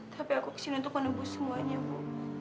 tapi aku ke sini untuk menebus semuanya bu